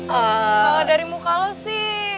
oh dari muka lo sih